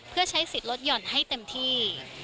เพื่อใช้สิทธิ์ลดหย่อนให้เต็มที่